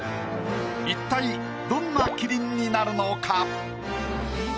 一体どんなキリンになるのか？